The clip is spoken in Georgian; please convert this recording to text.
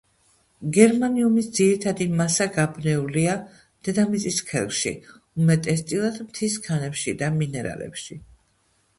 გერმანიუმის ძირითადი მასა გაბნეულია დედამიწის ქერქში უმეტესწილად მთის ქანებში და მინერალებში.